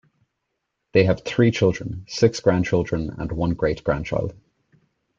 They have three children, six grandchildren, and one great grandchild.